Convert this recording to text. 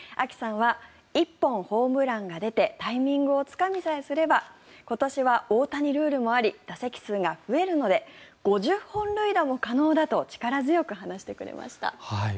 ＡＫＩさんは１本ホームランが出てタイミングをつかみさえすれば今年は大谷ルールもあり打席数が増えるので５０本塁打も可能だと力強く話してくれました。